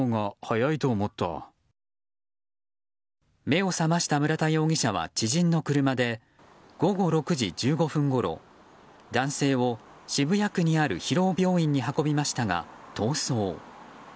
目を覚ました村田容疑者は知人の車で午後６時１５分ごろ男性を渋谷区にある広尾病院に運びましたが、逃走。